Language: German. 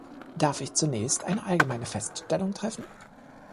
Darf ich zunächst eine allgemeine Feststellung treffen.